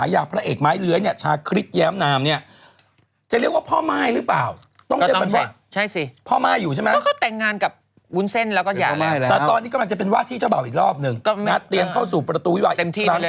เตรียมเข้าสู่ประตูวิวัตรอีกครั้ง